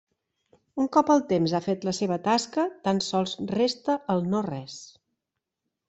Un cop el temps ha fet la seva tasca, tan sols resta el no-res.